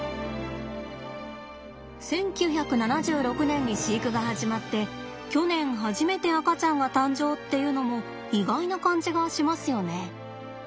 １９７６年に飼育が始まって去年初めて赤ちゃんが誕生っていうのも意外な感じがしますよね。